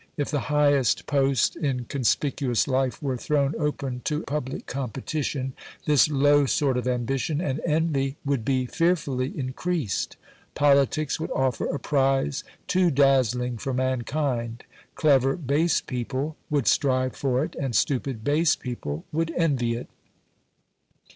If the highest post in conspicuous life were thrown open to public competition, this low sort of ambition and envy would be fearfully increased. Politics would offer a prize too dazzling for mankind; clever base people would strive for it, and stupid base people would envy it.